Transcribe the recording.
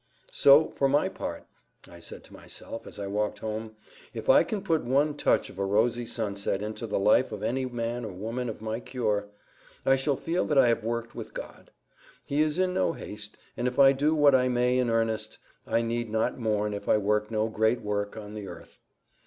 "So, for my part," I said to myself, as I walked home, "if I can put one touch of a rosy sunset into the life of any man or woman of my cure, I shall feel that I have worked with God. He is in no haste; and if I do what I may in earnest, I need not mourn if I work no great work on the earth.